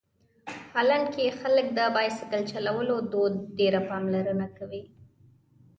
هالنډ کې خلک د بایسکل چلولو دود ډېره پاملرنه کوي.